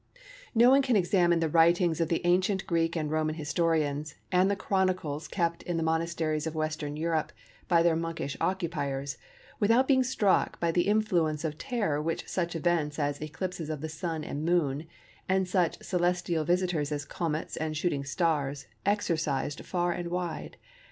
No one can examine the writings of the ancient Greek and Roman historians, and the chronicles kept in the monasteries of Western Europe by their monkish occupiers, without being struck by the influence of terror which such events as eclipses of the Sun and Moon and such celestial visitors as Comets and Shooting Stars exercised far and wide.